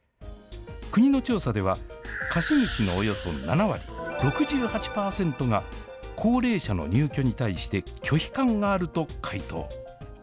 国の調査では、貸主のおよそ７割、６８％が高齢者の入居に対して拒否感があると回答。